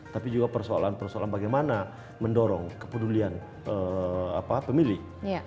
tapi juga persoalan persoalan bagaimana mendorong kepedulian pemilih